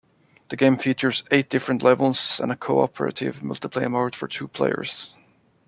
The game features eight different levels and a cooperative multiplayer mode for two players.